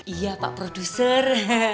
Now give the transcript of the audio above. iya pak produser